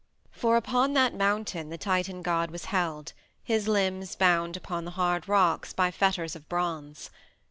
For upon that mountain the Titan god was held, his limbs bound upon the hard rocks by fetters of bronze.